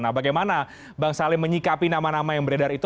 nah bagaimana bang saleh menyikapi nama nama yang beredar itu